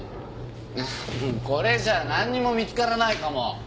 ああこれじゃあなんにも見つからないかも。